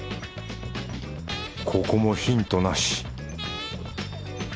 ここもヒントなし。